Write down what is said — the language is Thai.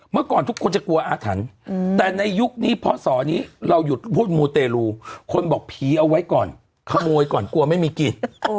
เมื่อก่อนทุกคนจะกลัวอาถรรพ์แต่ในยุคนี้เพราะสอนี้เราหยุดพูดมูเตรลูคนบอกผีเอาไว้ก่อนขโมยก่อนกลัวไม่มีกิน